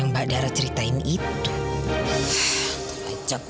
beberapa kali kamu curi ini siapin anak anakmu